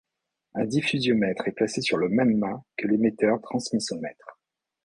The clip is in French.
Un diffusiomètre est placé sur le même mât que l’émetteur transmissomètre.